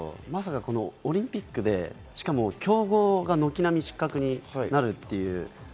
まさかこのオリンピックでしかも強豪が軒並み失格になるっていう。